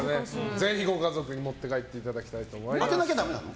ぜひ、ご家族に持って帰っていただきたいと当てなきゃダメなの？